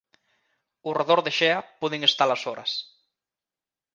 Ó redor de Xea poden estar as Horas.